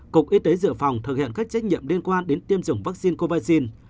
cục y tế dựa phòng thực hiện các trách nhiệm liên quan đến tiêm chủng vaccine covid một mươi chín